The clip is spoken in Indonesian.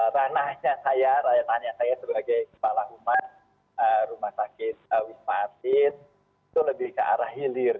ranahnya saya sebagai kepala umat rumah sakit wisma atlet itu lebih ke arah hilir